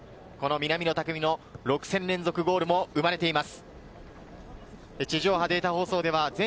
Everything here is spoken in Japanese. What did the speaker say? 南野拓実の６戦連続ゴールも生まれています。